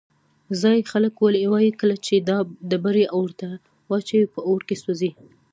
ځایی خلک وایي کله چې دا ډبرې اور ته واچوې په اور کې سوځي.